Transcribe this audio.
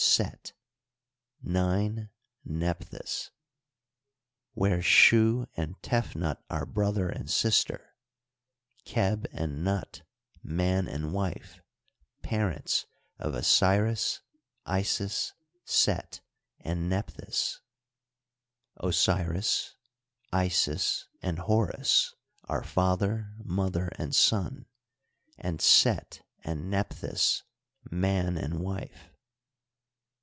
Set ; 9. Nephthys ; where Shu and Tefnut are broth er and sister, Qeb and Nut man and wife, parents of Osiris, Isis, Set, and Nephthys ; Osiris, Iris, and Horus are father, mother, and son ; and Set and Nephthys man and wife.